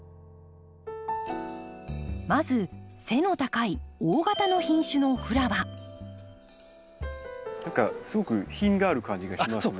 まず背の高い大型の品種の何かすごく品がある感じがしますね。